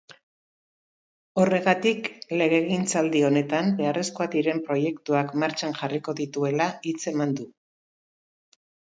Horregatik, legegintzaldi honetan beharrezkoak diren proeiktuak martxan jarriko dituela hitzeman du.